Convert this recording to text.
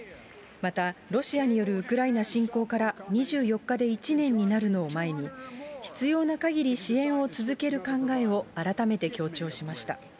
また、ロシアによるウクライナ侵攻から２４日で１年になるのを前に、必要なかぎり支援を続ける考えを改めて強調しました。